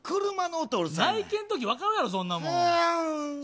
内見のとき分かるやろ、そんなん。